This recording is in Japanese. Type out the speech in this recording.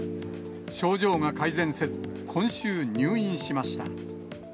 症状が改善せず、今週、入院しました。